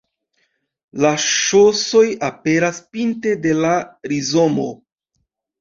La ŝosoj aperas pinte de la rizomo.